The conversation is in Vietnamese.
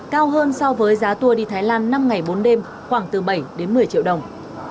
cao hơn so với giá tour đi thái lan năm ngày bốn đêm khoảng từ bảy đến một mươi triệu đồng